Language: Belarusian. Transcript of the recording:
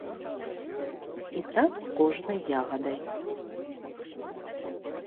І так з кожнай ягадай.